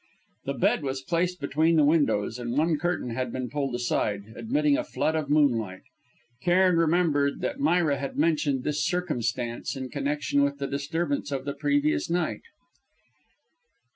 The bed was placed between the windows, and one curtain had been pulled aside, admitting a flood, of moonlight. Cairn remembered that Myra had mentioned this circumstance in connection with the disturbance of the previous night.